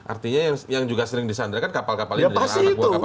artinya yang juga sering di sana kan kapal kapal indonesia